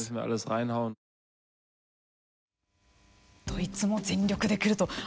ドイツも全力で来ると。